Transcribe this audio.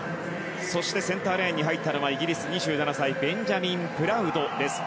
そしてセンターレーンに入ったのはイギリス、２７歳ベンジャミン・プラウドです。